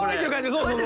そう